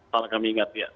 kalau kami ingat ya